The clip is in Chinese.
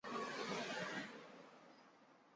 其子阮文馨为越南国军将领。